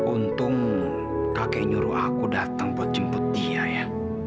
untung kakek nyuruh aku datang buat jemput dia ya